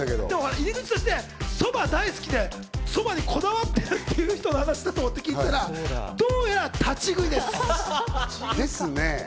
そば大好きで、そばにこだわってるっていう人の話しだと思って聞いてたら、どうやら立ち食いですね。